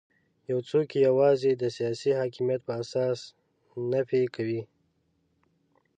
یو څوک یې یوازې د سیاسي حاکمیت په اساس نفي کوي.